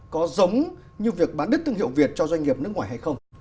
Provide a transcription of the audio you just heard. có giống như việc bán đứt thương hiệu việt cho doanh nghiệp nước ngoài hay không